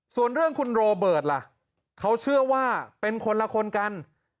ส่วนเรื่องคุณโรเบิร์ตล่ะเขาเชื่อว่าเป็นคนละคนกัน